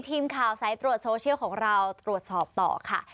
ทีมข่าวสายตรวจโซเชียลของเราตรวจสอบต่อค่ะ